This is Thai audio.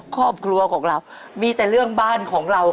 ครอบครัวของเรามีแต่เรื่องบ้านของเรา